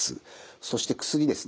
そして薬ですね。